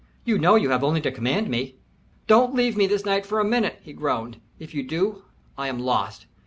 "You know you have only to command me." "Don't leave me this night for a minute," he groaned. "If you do, I am lost.